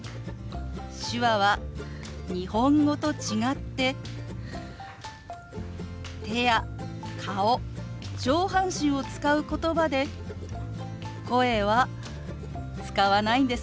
手話は日本語と違って手や顔上半身を使うことばで声は使わないんですよ。